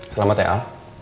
selamat ya al